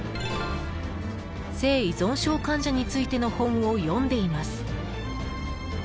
［性依存症患者についての本を読んでいます］